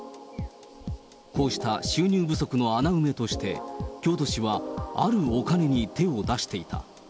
こうした収入不足の穴埋めとして、京都市はあるお金に手を出していた。